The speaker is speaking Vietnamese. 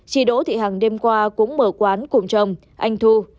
chị đỗ thì hàng đêm qua cũng mở quán cùng chồng anh thu